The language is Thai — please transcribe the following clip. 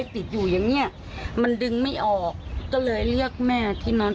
ติดเตียงได้ยินเสียงลูกสาวต้องโทรศัพท์ไปหาคนมาช่วย